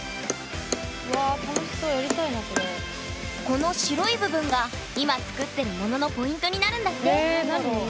この白い部分が今作ってるもののポイントになるんだって何だろう。